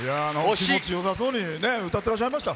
気持ちよさそうに歌ってらっしゃいました。